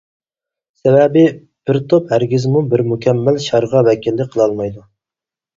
سەۋەبى، بىر توپ ھەرگىزمۇ بىر مۇكەممەل شارغا ۋەكىللىك قىلالمايدۇ.